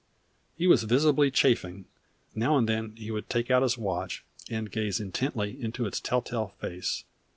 He was visibly chafing. Now and then he would take out his watch, and gaze intently into its telltale face.